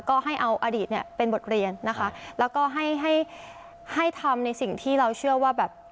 ก็ให้เอาอดีตเนี่ยเป็นบทเรียนนะคะแล้วก็ให้ให้ทำในสิ่งที่เราเชื่อว่าแบบ